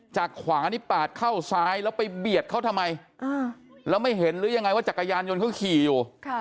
จากขวานี่ปาดเข้าซ้ายแล้วไปเบียดเขาทำไมแล้วไม่เห็นหรือยังไงว่าจักรยานยนต์เขาขี่อยู่